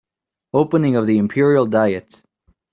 Opening of the Imperial diet.